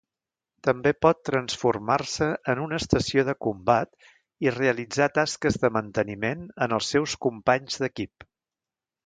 També pot transformar-se en una estació de combat i realitzar tasques de manteniment en els seus companys d'equip.